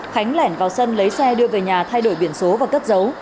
khánh lẻn vào sân lấy xe đưa về nhà thay đổi biển số và cất dấu